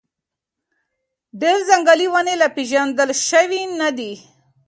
ډېر ځنګلي ونې لا پېژندل شوي نه دي.